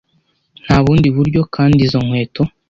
Nta bundi buryo, kandi izo nkweto